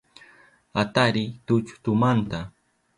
Atariy tulltumanta